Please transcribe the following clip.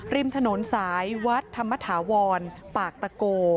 ริมถนนสายวัดธรรมถาวรปากตะโก